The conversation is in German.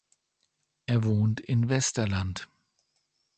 Er wohnt in Westerland.